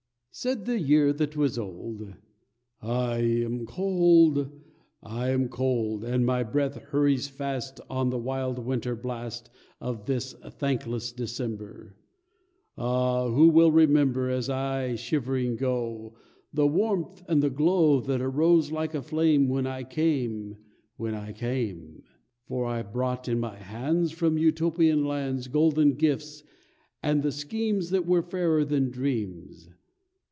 I. Said the year that was old: "I am cold, I am cold, And my breath hurries fast On the wild winter blast Of this thankless December; Ah, who will remember As I, shivering, go, The warmth and the glow That arose like a flame When I came, when I came? For I brought in my hands, From Utopian lands, Golden gifts, and the schemes That were fairer than dreams.